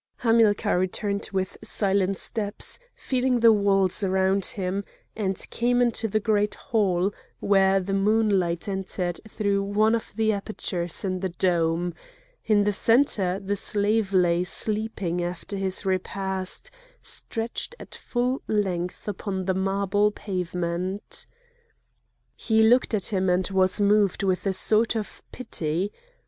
Hamilcar returned with silent steps, feeling the walls around him, and came into the great hall where the moonlight entered through one of the apertures in the dome; in the centre the slave lay sleeping after his repast, stretched at full length upon the marble pavement. He looked at him and was moved with a sort of pity.